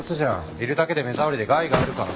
いるだけで目障りで害があるから。